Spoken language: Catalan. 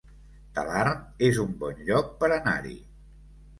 Talarn es un bon lloc per anar-hi